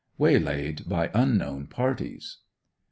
WAYLAID BY UNKNOWN PARTIES.